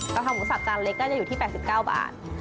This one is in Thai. เพราหมูสับจานเล็กก็จะอยู่ที่๘๙บาท